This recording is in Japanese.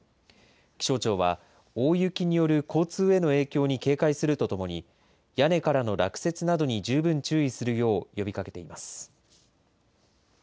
気象庁は大雪による交通への影響に警戒するとともに、屋根からの落雪などに十分注意するよう呼びかけています。